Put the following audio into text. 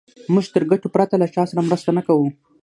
موږ تر ګټو پرته له چا سره مرسته نه کوو.